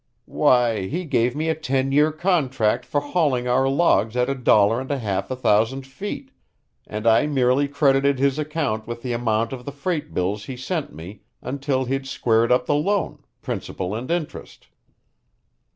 "Why, he gave me a ten year contract for hauling our logs at a dollar and a half a thousand feet, and I merely credited his account with the amount of the freight bills he sent me until he'd squared up the loan, principal and interest."